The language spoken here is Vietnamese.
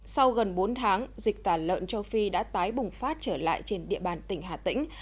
sau gần bốn tháng dịch tả lợn châu phi đã tái bùng phát trở lại trên địa bàn tỉnh hà tĩnh